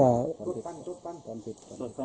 การฟิต